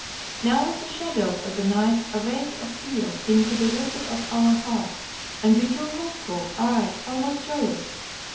Now with the shadows of the night a weight of fear seemed to be lifted off our hearts and we grew hopeful, aye, almost joyous.